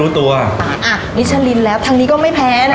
รู้ตัวอ่าอ่ามิชชาลินแล้วทางนี้ก็ไม่แพ้นะ